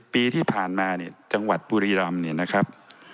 ปีที่ผ่านมาเนี่ยจังหวัดบุรีรำเนี่ยนะครับ